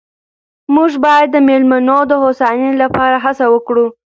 موږ باید د مېلمنو د هوساینې لپاره هڅه وکړو.